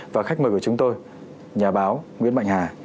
và khách mời của chúng tôi nhà báo nguyễn mạnh hà